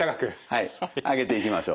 はい上げていきましょう。